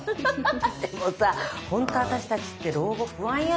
でもさほんと私たちって老後不安よね。